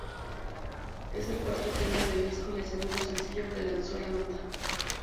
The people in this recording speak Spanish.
Es el cuarto tema del disco y el segundo sencillo que lanzó la banda.